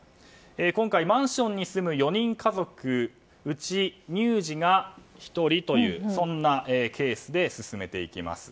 今回、マンションに住む４人家族、うち乳児が１人というそんなケースで進めていきます。